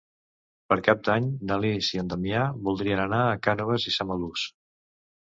Per Cap d'Any na Lis i en Damià voldrien anar a Cànoves i Samalús.